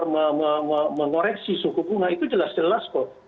mengoreksi suku bunga itu jelas jelas kok